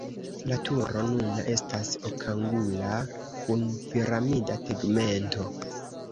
La turo nuna estas okangula kun piramida tegmento.